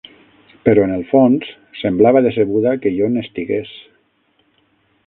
Però, en el fons, semblava decebuda que jo n'estigués.